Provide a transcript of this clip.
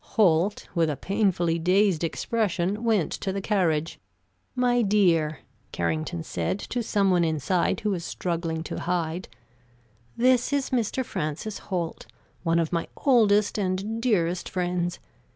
Holt, with a painfully dazed expression, went to the carriage. "My dear," Carrington said to some one inside who was struggling to hide, "this is Mr. Francis Holt; one of my oldest and dearest friends.